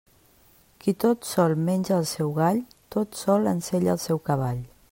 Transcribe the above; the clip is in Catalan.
Qui tot sol menja el seu gall, tot sol ensella el seu cavall.